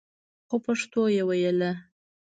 خو پښتو يې ويله.